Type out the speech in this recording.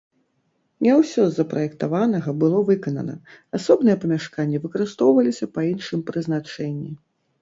Не ўсё з запраектаванага было выканана, асобныя памяшканні выкарыстоўваліся па іншым прызначэнні.